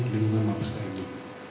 menengah mabes tni